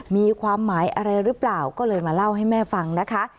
มีความหมายอะไรหรือเปล่าก็เลยมาเล่าให้แม่ฟังนะคะ